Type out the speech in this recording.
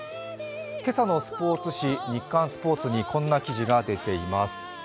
今朝のスポーツ紙、日刊スポーツにこんな記事が出ています。